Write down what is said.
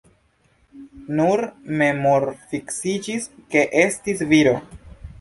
Nur memorfiksiĝis ke estis viro.